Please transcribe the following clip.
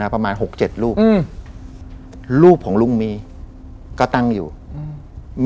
ประมาณหกเจ็ดรูปอืมรูปของลุงมีก็ตั้งอยู่อืม